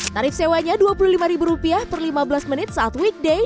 tarif sewanya rp dua puluh lima per lima belas menit saat weekday